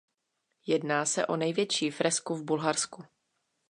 Jedná se o největší fresku v Bulharsku.